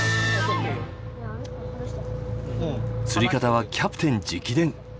釣り方はキャプテン直伝。